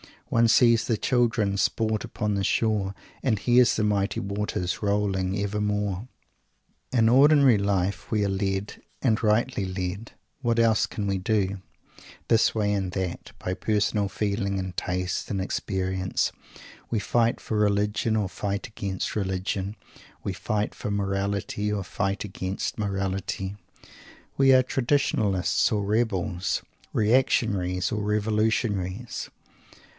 One "sees the children sport upon the shore, and hears the mighty waters rolling evermore." In ordinary life we are led, and rightly led what else can we do? this way and that by personal feeling and taste and experience. We fight for Religion or fight against Religion. We fight for Morality or fight against Morality. We are Traditionalists or Rebels, Reactionaries or Revolutionaries.